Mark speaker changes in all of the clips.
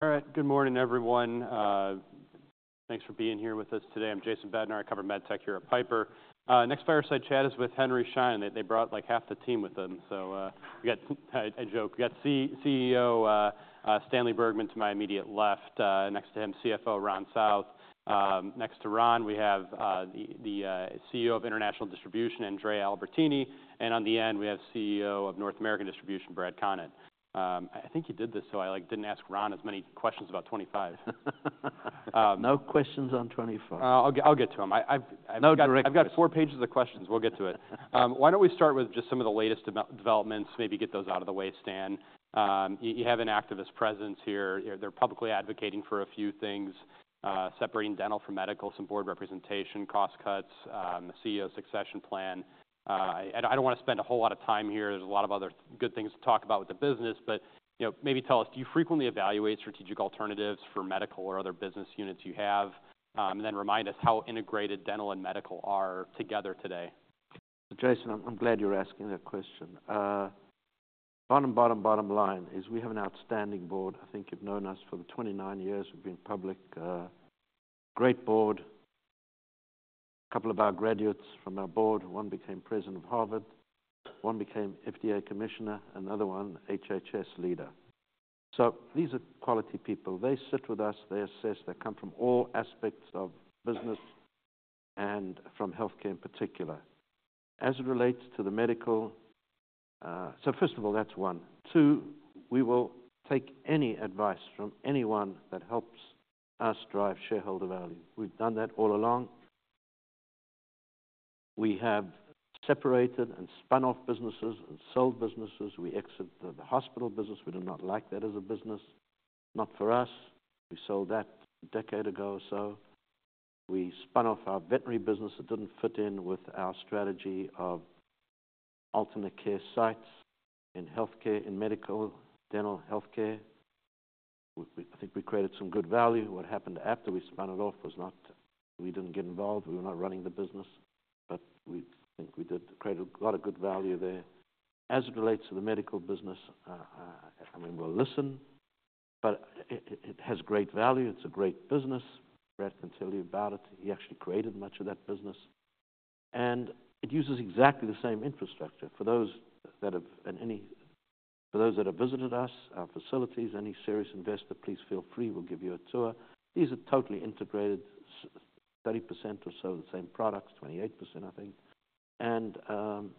Speaker 1: All right. Good morning, everyone. Thanks for being here with us today. I'm Jason Bednar. I cover med tech here at Piper. Next fireside chat is with Henry Schein. They brought like half the team with them. So, we got—I joke—we got CEO Stanley Bergman to my immediate left. Next to him, CFO Ron South. Next to Ron, we have the CEO of International Distribution, Andrea Albertini. And on the end, we have CEO of North American Distribution, Brad Connett. I think you did this so I like didn't ask Ron as many questions on 2025.
Speaker 2: No questions on 2025.
Speaker 1: I'll get to them.
Speaker 2: No, direct questions.
Speaker 1: I've got four pages of questions. We'll get to it. Why don't we start with just some of the latest developments, maybe get those out of the way, Stan? You have an activist presence here. They're publicly advocating for a few things, separating dental from medical, some Board representation, cost cuts, a CEO succession plan. I don't wanna spend a whole lot of time here. There's a lot of other good things to talk about with the business, but, you know, maybe tell us, do you frequently evaluate strategic alternatives for medical or other business units you have? And then remind us how integrated dental and medical are together today.
Speaker 2: Jason, I'm glad you're asking that question. Bottom bottom bottom line is we have an outstanding Board. I think you've known us for the 29 years we've been public. Great Board. A couple of our graduates from our Board. One became President of Harvard. One became FDA Commissioner. Another one, HHS leader. So these are quality people. They sit with us. They assess. They come from all aspects of business and from healthcare in particular. As it relates to the medical, so first of all, that's one. Two, we will take any advice from anyone that helps us drive shareholder value. We've done that all along. We have separated and spun off businesses and sold businesses. We exited the hospital business. We did not like that as a business. Not for us. We sold that a decade ago or so. We spun off our veterinary business that didn't fit in with our strategy of alternate care sites in healthcare, in medical, dental healthcare. We—I think we created some good value. What happened after we spun it off was not. We didn't get involved. We were not running the business, but we think we did create a lot of good value there. As it relates to the medical business, I mean, we'll listen, but it has great value. It's a great business. Brad can tell you about it. He actually created much of that business. And it uses exactly the same infrastructure. For those that have visited us, our facilities, any serious investor, please feel free. We'll give you a tour. These are totally integrated, 30% or so of the same products, 28%, I think.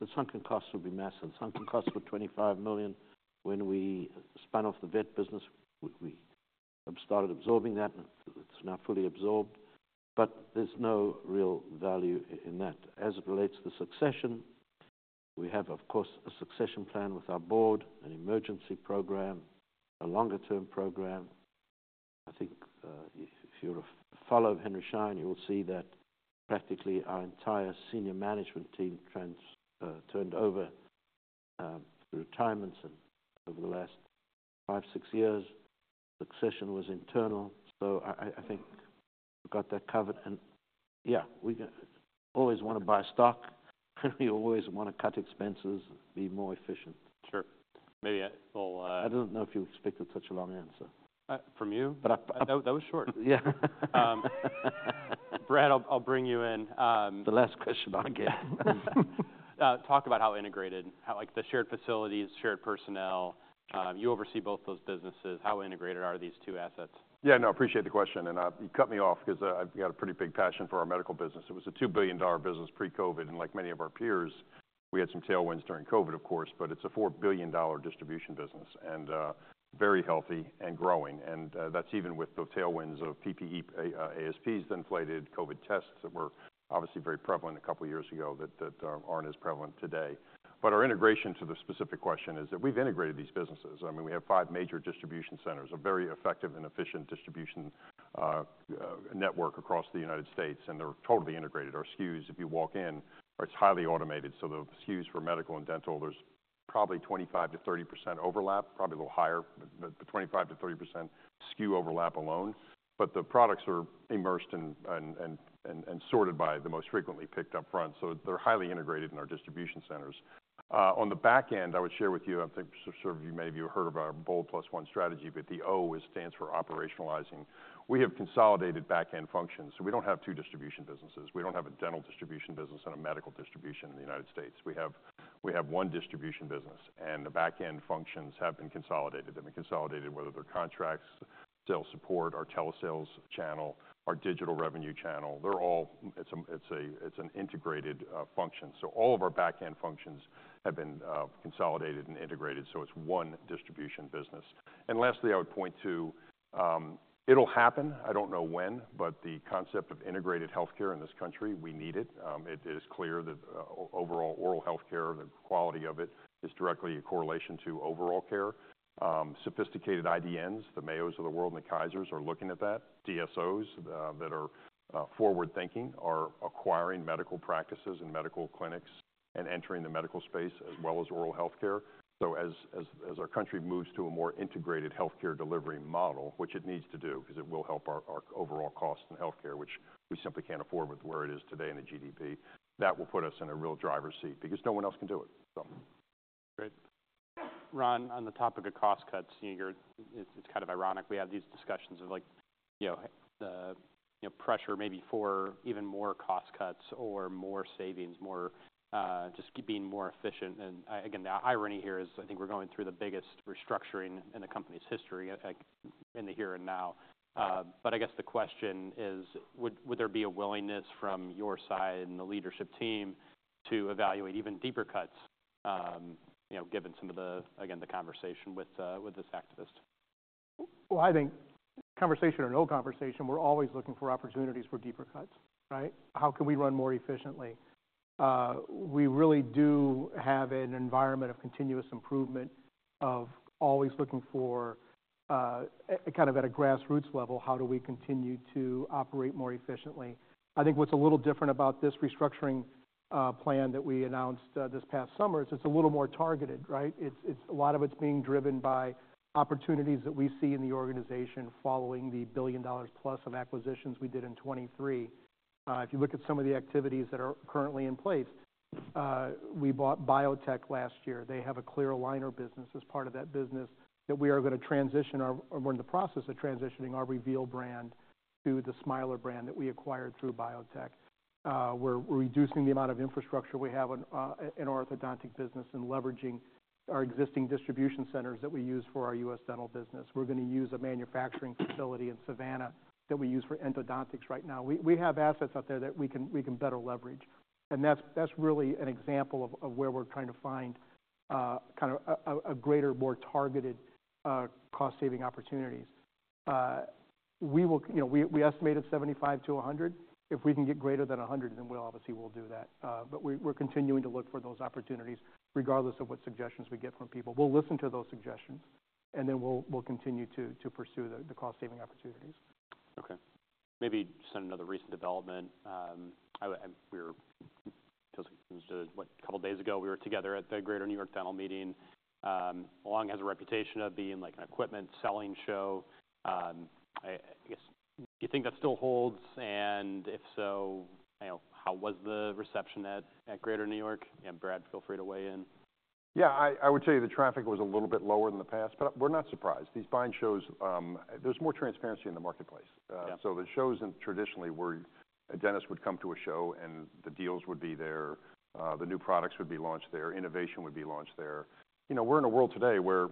Speaker 2: The sunken costs would be massive. The sunken costs were $25 million when we spun off the vet business. We started absorbing that, and it's now fully absorbed, but there's no real value in that. As it relates to the succession, we have, of course, a succession plan with our Board, an emergency program, a longer-term program. I think, if you're a follower of Henry Schein, you'll see that practically our entire senior management team turned over, retirements over the last five, six years. Succession was internal. So I think we got that covered. And yeah, we always wanna buy stock. We always wanna cut expenses, be more efficient.
Speaker 1: Sure. Maybe I'll.
Speaker 2: I don't know if you expected such a long answer.
Speaker 1: From you?
Speaker 2: But I—
Speaker 1: No, that was short. Yeah. Brad, I'll bring you in.
Speaker 2: The last question I'll get.
Speaker 1: Talk about how integrated, how like the shared facilities, shared personnel. You oversee both those businesses. How integrated are these two assets?
Speaker 3: Yeah, no, I appreciate the question. And you cut me off 'cause I've got a pretty big passion for our medical business. It was a $2 billion business pre-COVID. And like many of our peers, we had some tailwinds during COVID, of course, but it's a $4 billion distribution business and very healthy and growing. And that's even with the tailwinds of PPE, ASPs that inflated, COVID tests that were obviously very prevalent a couple of years ago that aren't as prevalent today. But our integration to the specific question is that we've integrated these businesses. I mean, we have five major distribution centers, a very effective and efficient distribution network across the United States, and they're totally integrated. Our SKUs, if you walk in, are highly automated. So the SKUs for medical and dental, there's probably 25%-30% overlap, probably a little higher, but 25%-30% SKU overlap alone. But the products are immersed and sorted by the most frequently picked up front. So they're highly integrated in our distribution centers. On the back end, I would share with you, I think sort of you may have—you heard of our BOLD+1 strategy, but the O stands for operationalizing. We have consolidated back-end functions. So we don't have two distribution businesses. We don't have a dental distribution business and a medical distribution in the United States. We have one distribution business, and the back-end functions have been consolidated. They've been consolidated, whether they're contracts, sales support, our telesales channel, our digital revenue channel. They're all—it's an integrated function. So all of our back-end functions have been consolidated and integrated. So it's one distribution business. And lastly, I would point to it'll happen. I don't know when, but the concept of integrated healthcare in this country, we need it. It is clear that overall oral healthcare, the quality of it, is directly a correlation to overall care. Sophisticated IDNs, the Mayos of the world and the Kaisers, are looking at that. DSOs that are forward-thinking are acquiring medical practices and medical clinics and entering the medical space as well as oral healthcare. So as our country moves to a more integrated healthcare delivery model, which it needs to do 'cause it will help our overall cost in healthcare, which we simply can't afford with where it is today in the GDP, that will put us in a real driver's seat because no one else can do it, so.
Speaker 1: Great. Ron, on the topic of cost cuts, you know, you're, it's, it's kind of ironic. We have these discussions of like, you know, the, you know, pressure maybe for even more cost cuts or more savings, more, just being more efficient. And, again, the irony here is I think we're going through the biggest restructuring in the company's history, in the here and now. But I guess the question is, would there be a willingness from your side and the leadership team to evaluate even deeper cuts, you know, given some of the, again, the conversation with this activist?
Speaker 4: I think conversation or no conversation, we're always looking for opportunities for deeper cuts, right? How can we run more efficiently? We really do have an environment of continuous improvement of always looking for, kind of at a grassroots level, how do we continue to operate more efficiently? I think what's a little different about this restructuring plan that we announced this past summer is it's a little more targeted, right? It's, it's a lot of it's being driven by opportunities that we see in the organization following the $1 billion+ of acquisitions we did in 2023. If you look at some of the activities that are currently in place, we bought Biotech last year. They have a clear aligner business as part of that business that we're in the process of transitioning our Reveal brand to the Smiler brand that we acquired through Biotech. We're reducing the amount of infrastructure we have in our orthodontic business and leveraging our existing distribution centers that we use for our U.S. dental business. We're gonna use a manufacturing facility in Savannah that we use for endodontics right now. We have assets out there that we can better leverage. And that's really an example of where we're trying to find kind of a greater, more targeted, cost-saving opportunities. We will, you know, we estimated $75 million-$100 million. If we can get greater than $100 million, then we'll obviously, we'll do that. But we, we're continuing to look for those opportunities regardless of what suggestions we get from people. We'll listen to those suggestions, and then we'll continue to pursue the cost-saving opportunities.
Speaker 1: Okay. Maybe just on another recent development, it feels like it was, what, a couple of days ago we were together at the Greater New York Dental Meeting. Long has a reputation of being like an equipment selling show. I guess, do you think that still holds? And if so, you know, how was the reception at Greater New York? And Brad, feel free to weigh in.
Speaker 3: Yeah, I would tell you the traffic was a little bit lower than the past, but we're not surprised. These buying shows, there's more transparency in the marketplace. So the shows were traditionally where a dentist would come to a show and the deals would be there, the new products would be launched there, innovation would be launched there. You know, we're in a world today where,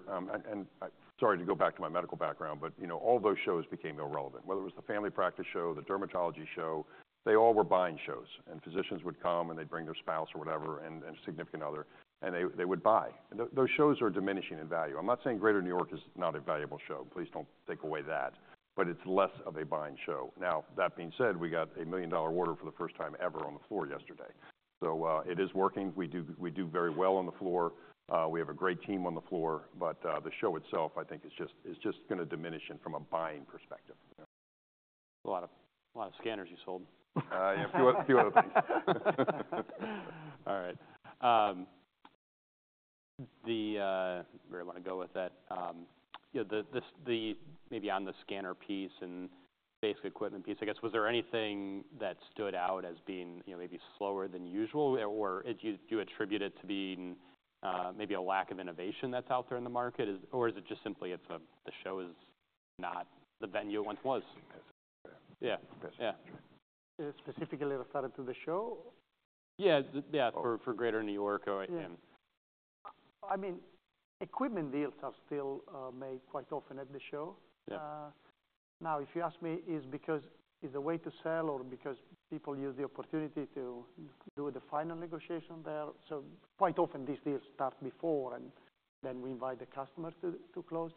Speaker 3: and I, sorry to go back to my medical background, but, you know, all those shows became irrelevant. Whether it was the family practice show, the dermatology show, they all were buying shows. And physicians would come, and they'd bring their spouse or whatever and significant other, and they, they would buy. And those shows are diminishing in value. I'm not saying Greater New York is not a valuable show. Please don't take away that. But it's less of a buying show. Now, that being said, we got a $1 million order for the first time ever on the floor yesterday. So, it is working. We do—we do very well on the floor. We have a great team on the floor. But, the show itself, I think, is just—is just gonna diminish from a buying perspective.
Speaker 1: A lot of scanners you sold.
Speaker 3: Yeah, a few other things.
Speaker 1: All right. Where you wanna go with that? You know, maybe on the scanner piece and basic equipment piece, I guess, was there anything that stood out as being, you know, maybe slower than usual? Or do you attribute it to being maybe a lack of innovation that's out there in the market? Is, or is it just simply it's a, the show is not the venue it once was? Yeah.
Speaker 5: Is it specifically referring to the show?
Speaker 1: Yeah, yeah, for Greater New York or and.
Speaker 5: Yeah. I mean, equipment deals are still made quite often at the show.
Speaker 1: Yeah.
Speaker 5: Now, if you ask me, is because it's a way to sell or because people use the opportunity to do the final negotiation there? So quite often these deals start before, and then we invite the customers to close.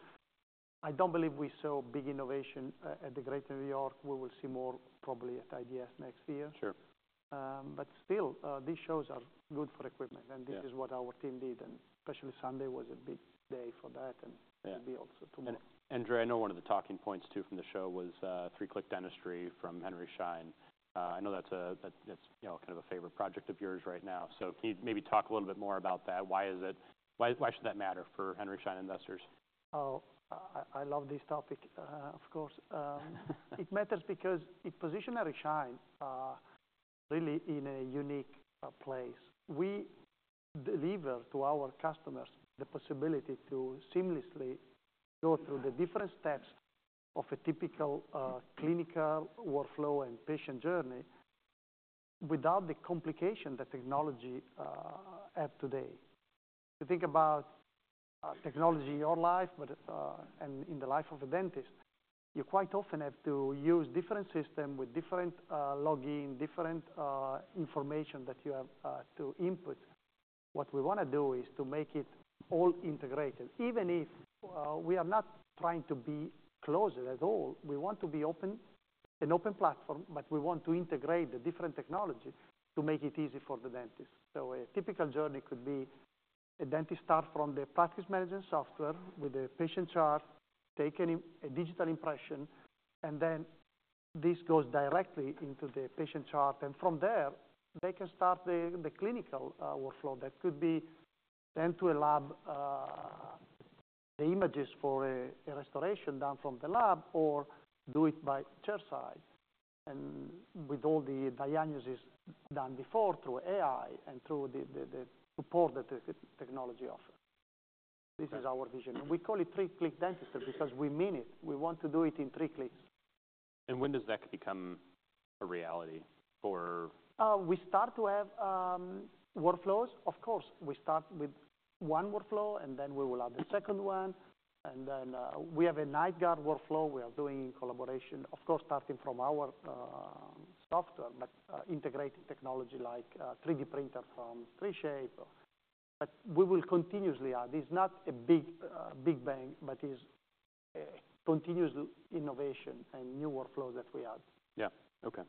Speaker 5: I don't believe we saw big innovation at the Greater New York. We will see more probably at IDS next year.
Speaker 1: Sure.
Speaker 5: But still, these shows are good for equipment.
Speaker 1: Yeah.
Speaker 5: This is what our team did. Especially Sunday was a big day for that.
Speaker 1: Yeah.
Speaker 5: It'll be also tomorrow.
Speaker 1: Andrea, I know one of the talking points too from the show was 3-Click Dentistry from Henry Schein. I know that's, that's you know kind of a favorite project of yours right now. Can you maybe talk a little bit more about that? Why is it, why should that matter for Henry Schein investors?
Speaker 5: Oh, I love this topic, of course. It matters because it positions Henry Schein really in a unique place. We deliver to our customers the possibility to seamlessly go through the different steps of a typical clinical workflow and patient journey without the complication that technology have today. If you think about technology in your life and in the life of a dentist, you quite often have to use different systems with different login, different information that you have to input. What we wanna do is to make it all integrated. Even if we are not trying to be closed at all, we want to be open - an open platform, but we want to integrate the different technology to make it easy for the dentist. A typical journey could be a dentist starts from the practice management software with the patient chart, takes a digital impression, and then this goes directly into the patient chart. From there, they can start the clinical workflow that could be sent to a lab, the images for a restoration done from the lab or do it by chairside. With all the diagnosis done before through AI and through the support that the technology offers. This is our vision. We call it 3-Click Dentistry because we mean it. We want to do it in three clicks.
Speaker 1: When does that become a reality for?
Speaker 5: We start to have workflows. Of course, we start with one workflow, and then we will add the second one, and then we have a night guard workflow we are doing in collaboration, of course, starting from our software, but integrating technology like 3D printer from 3Shape. But we will continuously add. It's not a big, big bang, but it's continuous innovation and new workflows that we add.
Speaker 1: Yeah. Okay.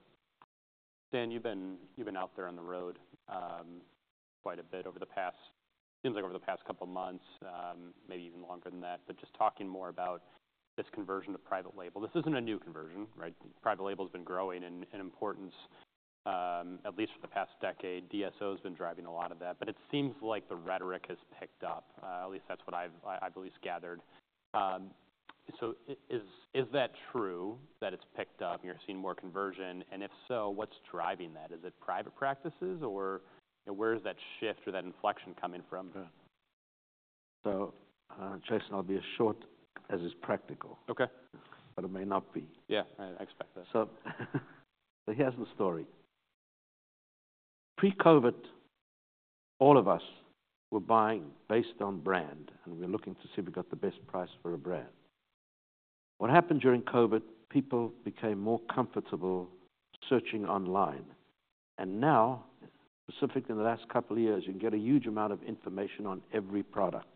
Speaker 1: Stan, you've been out there on the road, quite a bit over the past, seems like over the past couple of months, maybe even longer than that. But just talking more about this conversion to private label. This isn't a new conversion, right? Private label's been growing in importance, at least for the past decade. DSOs been driving a lot of that. But it seems like the rhetoric has picked up, at least that's what I've at least gathered. So is that true that it's picked up and you're seeing more conversion? And if so, what's driving that? Is it private practices or, you know, where's that shift or that inflection coming from?
Speaker 2: Yeah, so, Jason, I'll be as short as it's practical.
Speaker 1: Okay.
Speaker 2: But it may not be.
Speaker 1: Yeah. I expect that.
Speaker 2: So he has the story. Pre-COVID, all of us were buying based on brand, and we were looking to see if we got the best price for a brand. What happened during COVID, people became more comfortable searching online. And now, specifically in the last couple of years, you can get a huge amount of information on every product.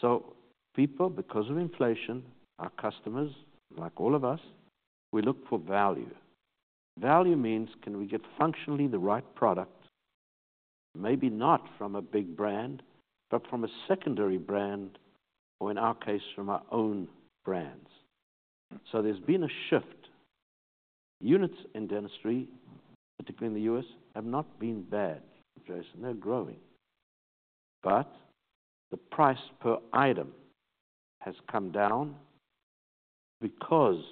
Speaker 2: So people, because of inflation, our customers, like all of us, we look for value. Value means can we get functionally the right product, maybe not from a big brand, but from a secondary brand or, in our case, from our own brands. So there's been a shift. Units in dentistry, particularly in the U.S., have not been bad, Jason. They're growing. But the price per item has come down because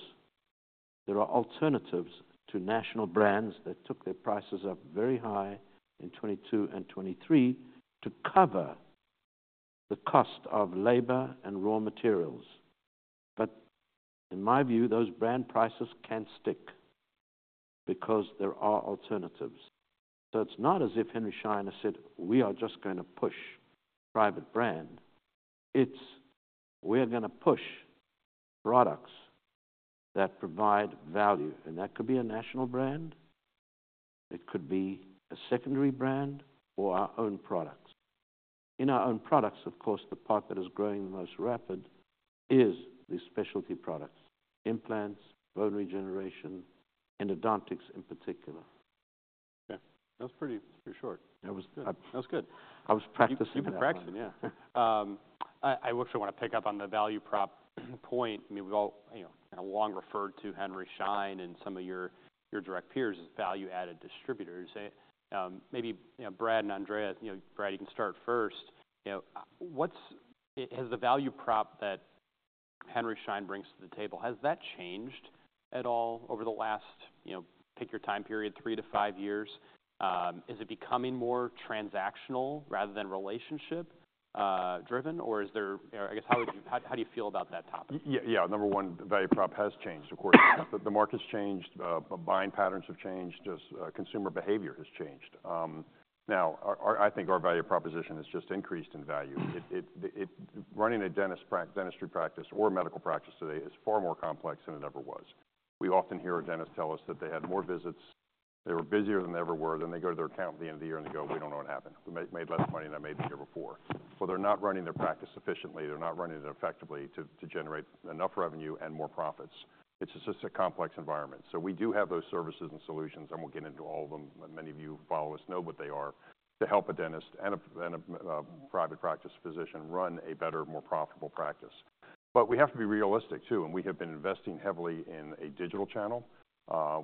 Speaker 2: there are alternatives to national brands that took their prices up very high in 2022 and 2023 to cover the cost of labor and raw materials. But in my view, those brand prices can't stick because there are alternatives. So it's not as if Henry Schein has said, "We are just gonna push private brand." It's, "We're gonna push products that provide value." And that could be a national brand. It could be a secondary brand or our own products. In our own products, of course, the part that is growing the most rapid is the specialty products: implants, bone regeneration, endodontics in particular.
Speaker 1: Okay. That was pretty, pretty short.
Speaker 2: That was good.
Speaker 1: That was good.
Speaker 2: I was practicing that.
Speaker 1: You've been practicing, yeah. I actually wanna pick up on the value prop point. I mean, we've all, you know, kinda long referred to Henry Schein and some of your direct peers as value-added distributors. Maybe, you know, Brad and Andrea, you know, Brad, you can start first. You know, has the value prop that Henry Schein brings to the table, has that changed at all over the last, you know, pick your time period, three years-five years? Is it becoming more transactional rather than relationship driven? Or is there or I guess, how would you, how do you feel about that topic?
Speaker 3: Yeah, yeah. Number one, the value prop has changed, of course. The market's changed. Buying patterns have changed. Just, consumer behavior has changed. Now, our—I think our value proposition has just increased in value. It—running a dentistry practice or medical practice today is far more complex than it ever was. We often hear a dentist tell us that they had more visits. They were busier than they ever were. Then they go to their accountant at the end of the year and they go, "We don't know what happened. We made less money than I made the year before." Well, they're not running their practice efficiently. They're not running it effectively to generate enough revenue and more profits. It's just a complex environment. So we do have those services and solutions, and we'll get into all of them. Many of you follow us, know what they are, to help a dentist and a private practice physician run a better, more profitable practice. But we have to be realistic too. And we have been investing heavily in a digital channel.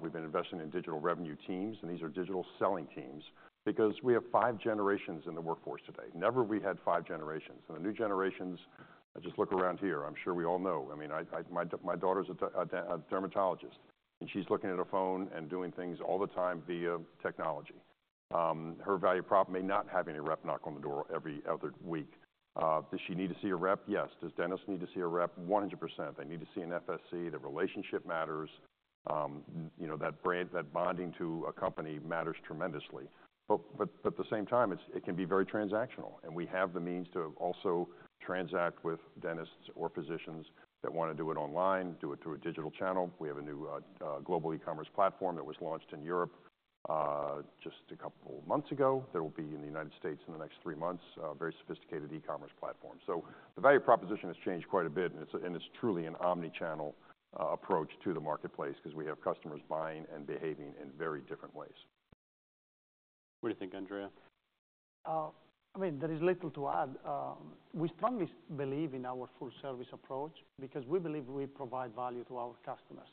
Speaker 3: We've been investing in digital revenue teams. And these are digital selling teams because we have five generations in the workforce today. Never have we had five generations. And the new generations, I just look around here. I'm sure we all know. I mean, my daughter's a dermatologist, and she's looking at her phone and doing things all the time via technology. Her value prop may not have any rep knock on the door every other week. Does she need to see a rep? Yes. Does dentists need to see a rep? 100%. They need to see an FSC. The relationship matters. You know, that brand - that bonding to a company matters tremendously. But, but, but at the same time, it can be very transactional. And we have the means to also transact with dentists or physicians that wanna do it online, do it through a digital channel. We have a new global e-commerce platform that was launched in Europe, just a couple of months ago. There will be in the United States in the next three months, a very sophisticated e-commerce platform. So the value proposition has changed quite a bit. And it's a - and it's truly an omnichannel approach to the marketplace 'cause we have customers buying and behaving in very different ways.
Speaker 1: What do you think, Andrea?
Speaker 5: I mean, there is little to add. We strongly believe in our full-service approach because we believe we provide value to our customers.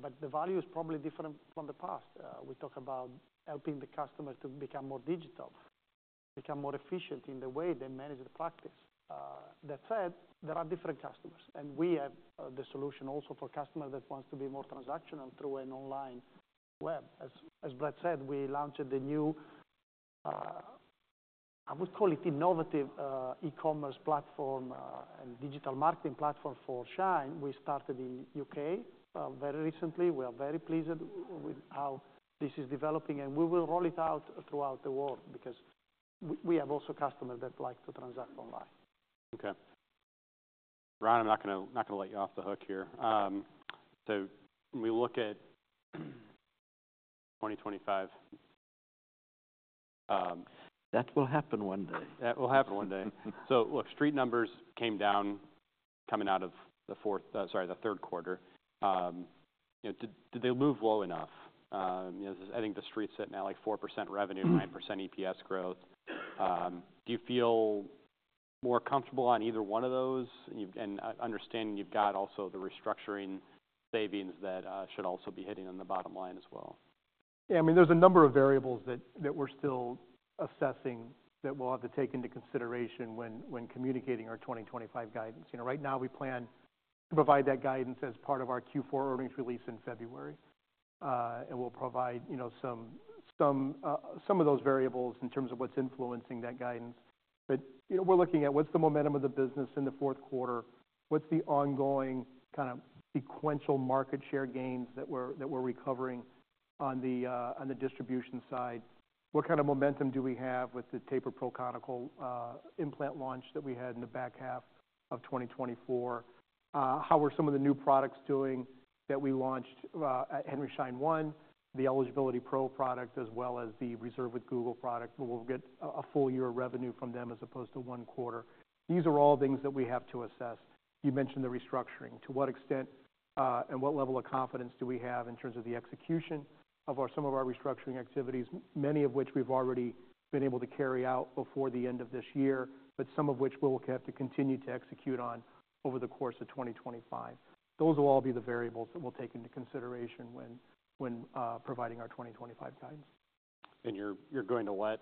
Speaker 5: But the value is probably different from the past. We talk about helping the customers to become more digital, become more efficient in the way they manage the practice. That said, there are different customers. We have the solution also for customers that want to be more transactional through an online web. As Brad said, we launched the new, I would call it innovative, e-commerce platform, and digital marketing platform for Schein. We started in the U.K., very recently. We are very pleased with how this is developing. We will roll it out throughout the world because we have also customers that like to transact online.
Speaker 1: Okay. Ron, I'm not gonna let you off the hook here, so when we look at 2025,
Speaker 2: That will happen one day.
Speaker 1: That will happen one day. So, look, Street numbers came down coming out of the fourth, sorry, the third quarter. You know, did they move low enough? You know, I think the Streets sit now at like 4% revenue, 9% EPS growth. Do you feel more comfortable on either one of those? And you've—and I understand you've got also the restructuring savings that should also be hitting on the bottom line as well.
Speaker 4: Yeah. I mean, there's a number of variables that we're still assessing that we'll have to take into consideration when communicating our 2025 guidance. You know, right now, we plan to provide that guidance as part of our Q4 earnings release in February, and we'll provide, you know, some of those variables in terms of what's influencing that guidance. But, you know, we're looking at what's the momentum of the business in the fourth quarter, what's the ongoing kinda sequential market share gains that we're recovering on the distribution side, what kinda momentum do we have with the Tapered Pro Conical implant launch that we had in the back half of 2024, how are some of the new products doing that we launched at Henry Schein One, the Eligibility Pro product, as well as the Reserve with Google product where we'll get a full year of revenue from them as opposed to one quarter. These are all things that we have to assess. You mentioned the restructuring. To what extent, and what level of confidence do we have in terms of the execution of our some of our restructuring activities, many of which we've already been able to carry out before the end of this year, but some of which we'll have to continue to execute on over the course of 2025? Those will all be the variables that we'll take into consideration when providing our 2025 guidance.
Speaker 1: You're going to let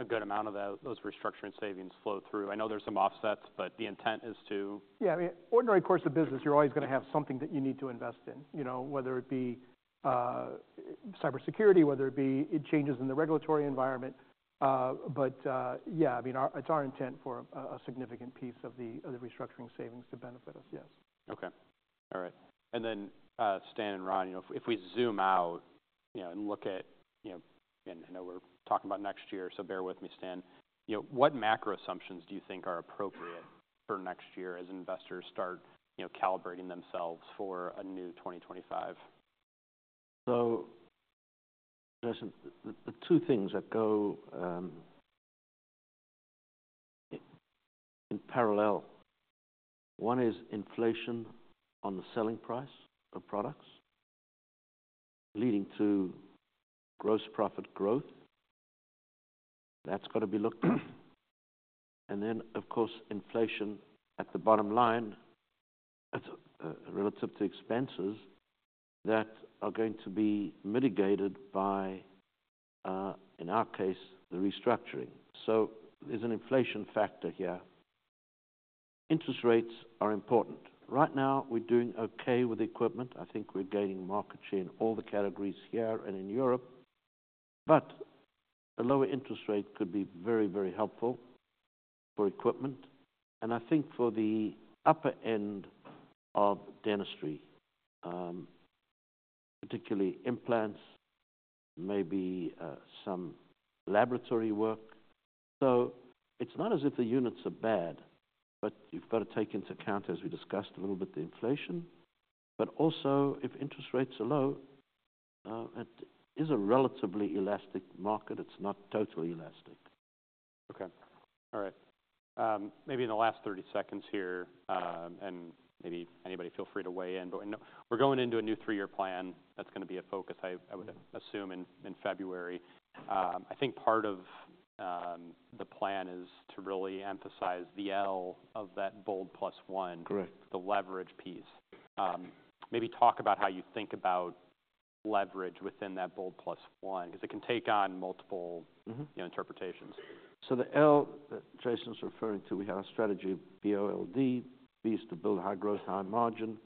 Speaker 1: a good amount of those restructuring savings flow through. I know there's some offsets, but the intent is to.
Speaker 4: Yeah. I mean, ordinary course of business, you're always gonna have something that you need to invest in, you know, whether it be cybersecurity, whether it be changes in the regulatory environment. But yeah, I mean, our, it's our intent for a significant piece of the restructuring savings to benefit us. Yes.
Speaker 1: Okay. All right. And then, Stan and Ron, you know, if we zoom out, you know, and look at, you know, and I know we're talking about next year, so bear with me, Stan, you know, what macro assumptions do you think are appropriate for next year as investors start, you know, calibrating themselves for a new 2025?
Speaker 2: So, Jason, the two things that go in parallel. One is inflation on the selling price of products leading to gross profit growth. That's gotta be looked. And then, of course, inflation at the bottom line relative to expenses that are going to be mitigated by, in our case, the restructuring. So there's an inflation factor here. Interest rates are important. Right now, we're doing okay with equipment. I think we're gaining market share in all the categories here and in Europe. But a lower interest rate could be very, very helpful for equipment. And I think for the upper end of dentistry, particularly implants, maybe some laboratory work. So it's not as if the units are bad, but you've gotta take into account, as we discussed a little bit, the inflation. But also, if interest rates are low, it is a relatively elastic market. It's not totally elastic.
Speaker 1: Okay. All right. Maybe in the last 30 seconds here, and maybe anybody feel free to weigh in, but we're going into a new three-year plan that's gonna be a focus. I would assume in February. I think part of the plan is to really emphasize the L of that BOLD+1.
Speaker 2: Correct.
Speaker 1: The leverage piece. Maybe talk about how you think about leverage within that BOLD+1 'cause it can take on multiple.
Speaker 2: Mm-hmm.
Speaker 1: You know, interpretations.
Speaker 2: The L that Jason's referring to, we have a strategy, B-O-L-D. B is to build high growth, high margin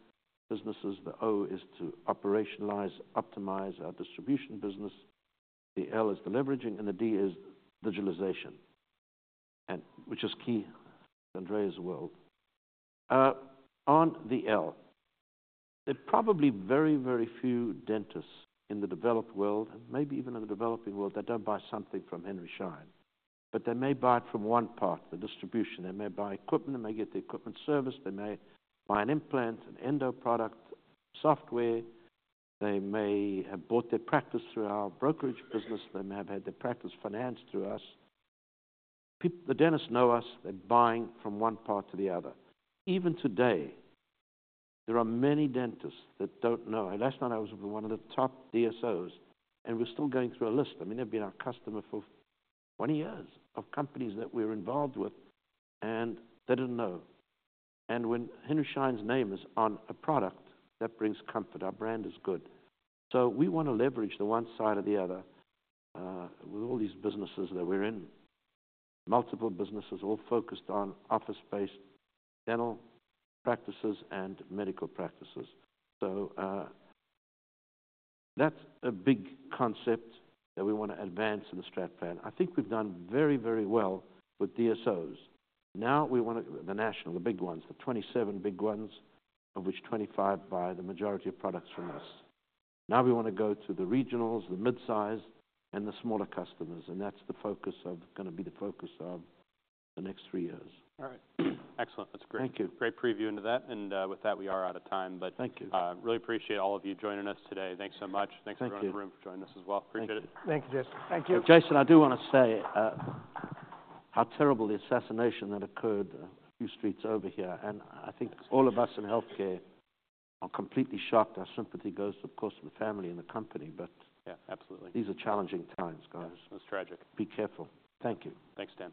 Speaker 2: businesses. The O is to operationalize, optimize our distribution business. The L is the leveraging, and the D is digitalization, which is key. Andrea's world. On the L, there are probably very, very few dentists in the developed world, and maybe even in the developing world, that don't buy something from Henry Schein. But they may buy it from one part, the distribution. They may buy equipment. They may get the equipment serviced. They may buy an implant, an endo product, software. They may have bought their practice through our brokerage business. They may have had their practice financed through us. The dentists know us. They're buying from one part to the other. Even today, there are many dentists that don't know. And last night, I was with one of the top DSOs, and we're still going through a list. I mean, they've been our customer for 20 years of companies that we're involved with, and they didn't know. And when Henry Schein's name is on a product, that brings comfort. Our brand is good. So we wanna leverage the one side or the other, with all these businesses that we're in, multiple businesses all focused on office-based dental practices and medical practices. So, that's a big concept that we wanna advance in the strat plan. I think we've done very, very well with DSOs. Now we wanna the national, the big ones, the 27 big ones, of which 25 buy the majority of products from us. Now we wanna go to the regionals, the mid-size, and the smaller customers. That's gonna be the focus of the next three years.
Speaker 1: All right. Excellent. That's great.
Speaker 2: Thank you.
Speaker 1: Great preview into that. And, with that, we are out of time, but.
Speaker 2: Thank you.
Speaker 1: Really appreciate all of you joining us today. Thanks so much.
Speaker 2: Thank you.
Speaker 1: Thanks to everyone in the room for joining us as well. Appreciate it.
Speaker 2: Jason, I do wanna say how terrible the assassination that occurred a few streets over here, and I think all of us in healthcare are completely shocked. Our sympathy goes, of course, to the family and the company, but.
Speaker 1: Yeah. Absolutely.
Speaker 2: These are challenging times, guys.
Speaker 1: It's tragic.
Speaker 2: Be careful. Thank you.
Speaker 1: Thanks, Stan.